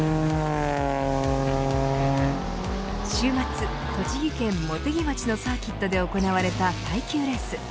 週末、栃木県茂木町のサーキットで行われた耐久レース。